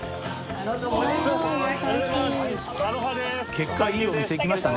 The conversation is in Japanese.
結果いいお店行きましたね